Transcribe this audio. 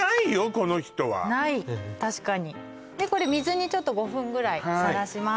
この人はない確かにこれ水にちょっと５分ぐらいさらします